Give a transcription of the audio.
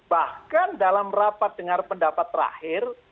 bahkan dalam rapat dengar pendapat terakhir